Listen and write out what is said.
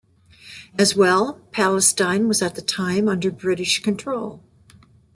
As well, Palestine was at the time under British control.